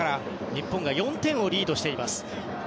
日本が４点をリードしています。